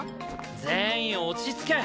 全員落ち着け！